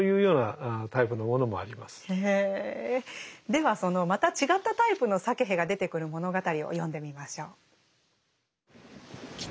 ではそのまた違ったタイプのサケヘが出てくる物語を読んでみましょう。